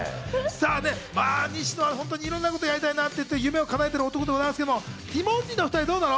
西野は本当にいろんなことをやりたいなっていう夢を叶えてる男ですけど、ティモンディのお２人はどうなの？